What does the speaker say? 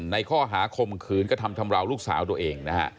ในข้อหาคมขืนกระทำชำราวลูกสาวตัวเองนะฮะ